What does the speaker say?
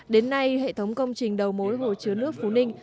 đến nay hệ thống công trình đầu mối hồ chứa nước phú ninh